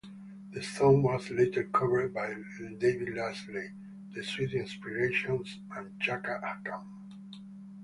The song was later covered by David Lasley, The Sweet Inspirations, and Chaka Khan.